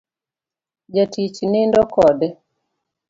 Jatich nindo kode